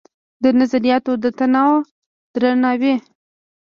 د نظریاتو د تنوع درناوی